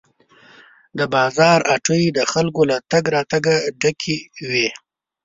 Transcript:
د بازار هټۍ د خلکو له تګ راتګ ډکې وې.